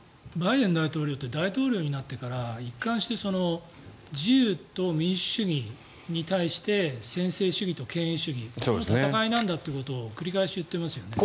バイデン大統領って大統領になってから一貫して自由と民主主義に対して専制主義と権威主義の戦いなんだということを繰り返し言っていますよね。